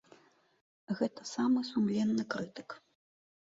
Гэта самы сумленны крытык.